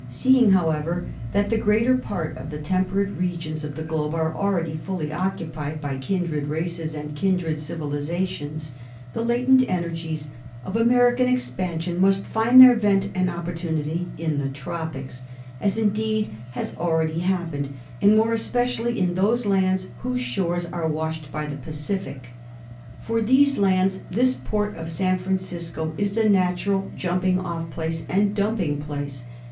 Seeing, however, that the greater part of the temperate regions of the globe are already fully occupied by kindred races and kindred civilisations, the latent energies of American expansion must find their vent and opportunity in the tropics, as indeed has already happened, and more especially in those lands whose shores are washed by the Pacific. For these lands this port of San Francisco is the natural jumping off and dumping place.